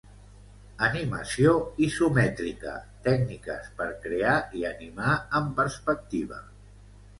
Animació Isomètrica - Tècniques per crear i animar en perspectiva